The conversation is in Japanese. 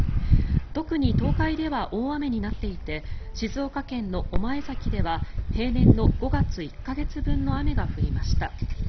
特に東海では大雨になっていて静岡県の御前崎では平年の５月１か月分の雨が降りました。